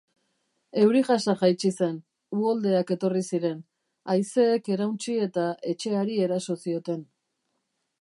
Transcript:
Euri-jasa jaitsi zen, uholdeak etorri ziren, haizeek erauntsi eta etxe hari eraso zioten.